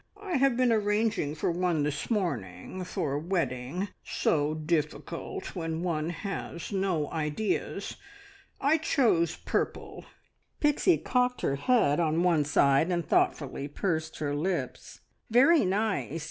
I have been arranging for one this morning, for a wedding. So difficult, when one has no ideas! I chose purple." Pixie cocked her head on one side and thoughtfully pursed her lips. "Very nice!